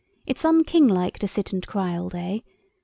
It's unkinglike to sit and cry all day.